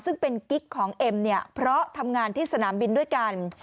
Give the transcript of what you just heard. ซึ่งเป็นกิ๊กของเอ็มเนี่ยเพราะทำงานที่สนามบินด้วยกัน